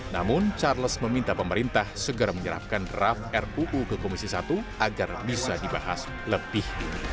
namun charles meminta pemerintah segera menyerapkan draft ruu ke komisi satu agar bisa dibahas lebih